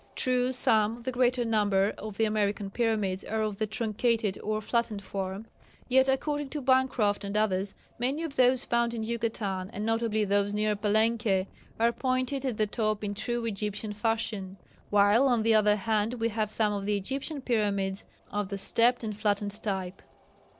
True some the greater number of the American pyramids are of the truncated or flattened form, yet according to Bancroft and others, many of those found in Yucatan, and notably those near Palenque, are pointed at the top in true Egyptian fashion, while on the other hand we have some of the Egyptian pyramids of the stepped and flattened type.